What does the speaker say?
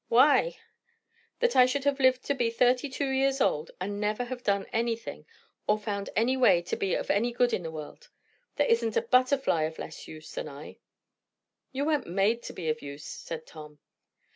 "Why?" "That I should have lived to be thirty two years old, and never have done anything, or found any way to be of any good in the world! There isn't a butterfly of less use than I!" "You weren't made to be of use," said Tom.